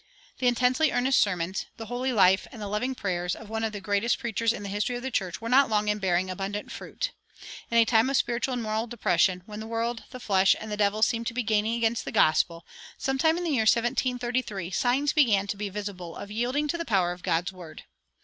The intensely earnest sermons, the holy life, and the loving prayers of one of the greatest preachers in the history of the church were not long in bearing abundant fruit. In a time of spiritual and moral depression, when the world, the flesh, and the devil seemed to be gaining against the gospel, sometime in the year 1733 signs began to be visible of yielding to the power of God's Word.